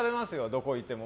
どこ行っても